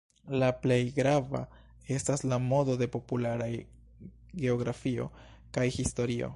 La plej grava estas la modo de popularaj geografio kaj historio.